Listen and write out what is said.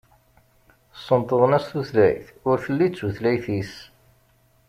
Sentḍen-as tutlayt ur telli d tutlayt-is.